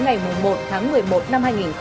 ngày một tháng một mươi một năm hai nghìn hai mươi